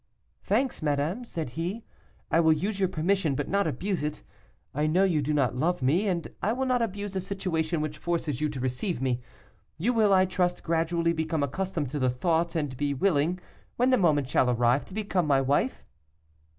"'Thanks, madame,' said he, 'I will use your permission, but not abuse it. I know you do not love me, and I will not abuse a situation which forces you to receive me. You will, I trust, gradually become accustomed to the thought, and be willing, when the moment shall arrive, to become my wife.